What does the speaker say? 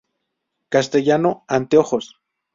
Castellano: Anteojos